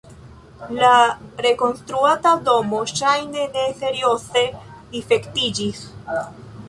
La rekonstruata domo ŝajne ne serioze difektiĝis.